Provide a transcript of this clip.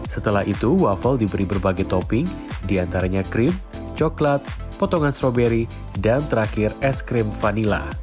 setelah itu waffle diberi berbagai topping diantaranya krim coklat potongan stroberi dan terakhir es krim vanila